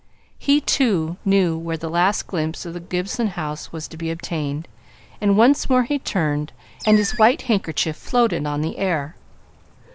He, too, knew where the last glimpse of Mr. Gibson's house was to be obtained, and once more he turned, and his white handkerchief floated in the air.